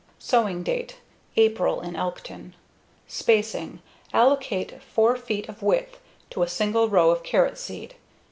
Sowing date: April at Elkton. Spacing: Allocate 4 feet of width to a single row of carrot seed.